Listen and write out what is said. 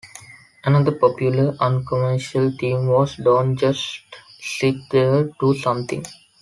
Another popular uncommercial theme was Don't Just Sit There-Do Something!